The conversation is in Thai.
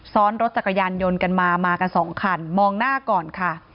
ซ้อนรถจักรยานยนต์กันมามากันสองคันมองหน้าก่อนค่ะ